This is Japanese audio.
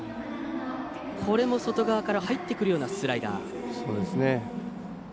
これも外側から入ってくるようなスライダー。